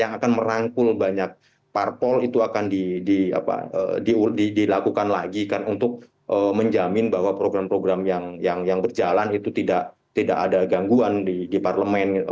yang akan merangkul banyak parpol itu akan dilakukan lagi kan untuk menjamin bahwa program program yang berjalan itu tidak ada gangguan di parlemen